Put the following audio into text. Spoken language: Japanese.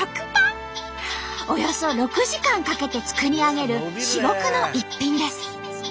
およそ６時間かけて作り上げる至極の逸品です。